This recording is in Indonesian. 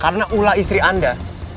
karena ulah istri anda